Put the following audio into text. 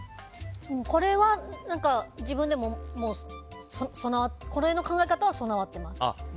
自分でもこの考え方は備わってます。